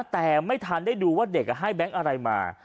แต่ไม่ทันได้ดูว่าเด็กให้แบงค์อะไรมา